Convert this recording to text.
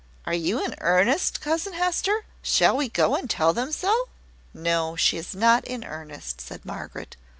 "Are you in earnest, cousin Hester? Shall we go and tell them so?" "No; she is not in earnest," said Margaret.